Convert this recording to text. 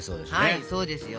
はいそうですよ。